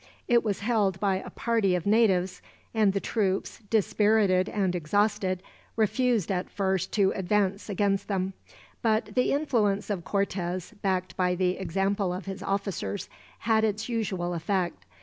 It was held by a party of natives; and the troops, dispirited and exhausted, refused at first to advance against them; but the influence of Cortez, backed by the example of his officers, had its usual effect.